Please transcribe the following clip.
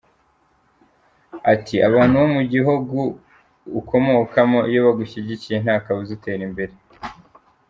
Ati “ Abantu bo mu gihugu ukomokamo iyo bagushyigikiye, ntakabuza utera imbere.